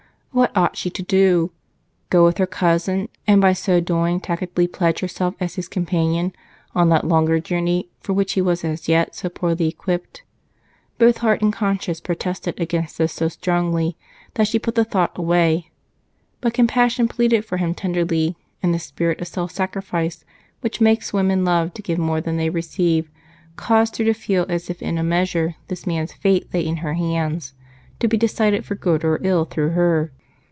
What ought she to do? Go with her cousin, and by so doing tacitly pledge herself as his companion on that longer journey for which he was as yet so poorly equipped? Both heart and conscience protested against this so strongly that she put the thought away. But compassion pleaded for him tenderly, and the spirit of self sacrifice, which makes women love to give more than they receive, caused her to feel as if in a measure this man's fate lay in her hands, to be decided for good or ill through her.